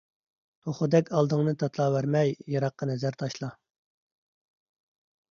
توخۇدەك ئالدىڭنى تاتىلاۋەرمەي، يىراققا نەزەر تاشلا!